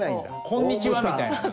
「こんにちは」みたいなね。